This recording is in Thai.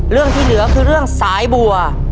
เรื่องที่เหลือคือเรื่องสายบัว